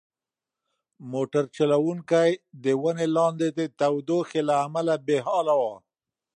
موټر چلونکی د ونې لاندې د تودوخې له امله بې حاله و.